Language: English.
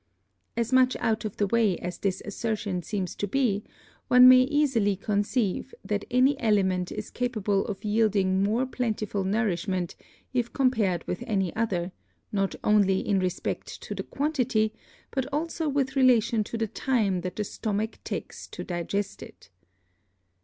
As much out of the way as this Assertion seems to be, one may easily conceive, that any Aliment is capable of yielding more plentiful Nourishment, if compar'd with any other, not only in respect to the Quantity, but also with relation to the Time that the Stomach takes to digest it.